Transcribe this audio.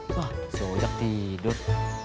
wah sojak tidur